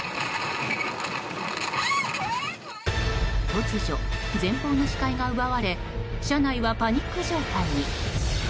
突如、前方の視界が奪われ車内はパニック状態に。